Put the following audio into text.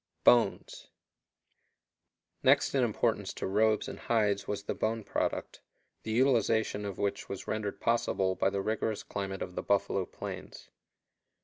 Bones. Next in importance to robes and hides was the bone product, the utilization of which was rendered possible by the rigorous climate of the buffalo plains.